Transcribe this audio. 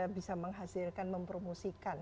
bisa menghasilkan mempromosikan